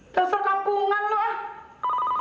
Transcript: terasa kampungan lu ah